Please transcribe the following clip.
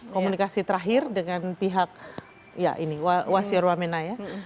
komunikasi terakhir dengan pihak wasior wamena